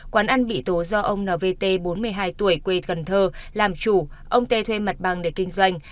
quán ăn bị tố do ông nvt bốn mươi hai tuổi quê cần thơ làm chủ ông tê thuê mặt bằng để kinh doanh